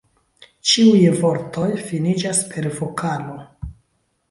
Ĉiuj vortoj finiĝas per vokalo.